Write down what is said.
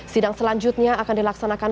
sidang selanjutnya akan dilaksanakan